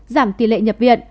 giảm tỷ lệ nhập viện